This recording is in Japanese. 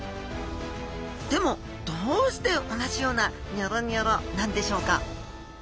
でもどうして同じようなニョロニョロなんでしょうか？